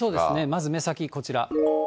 まず目先、こちら。